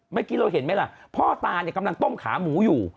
เมื่อกี้เราเห็นไหมล่ะพ่อตาเนี่ยกำลังต้มขาหมูอยู่